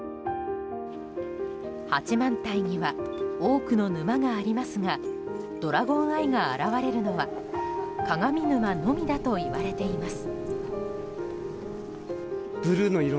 八幡平には多くの沼がありますがドラゴンアイが現れるのは鏡沼のみだといわれています。